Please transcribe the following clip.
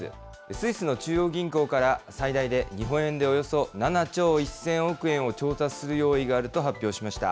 スイスの中央銀行から最大で日本円でおよそ７兆１０００億円を調達する用意があると発表しました。